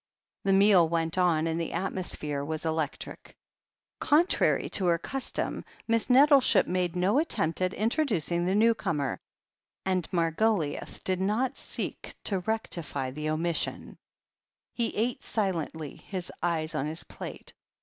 The meal went on, and the atmosphere was electric. Contrary to her custom, Miss Nettleship made no at tempt at introducing the newcomer, and Margoliouth did not seek to rectify the omission. i88 THE HEEL OF ACHILLES He ate silently, his eyes on his plate.